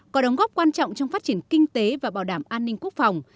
có đóng góp quan trọng trong phát triển kinh tế và bảo đảm an ninh quốc phòng